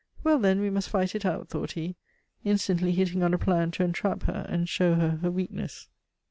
"Well, then, we must fight it out," thought he, instantly hitting on a plan to entrap her and show her her weakness.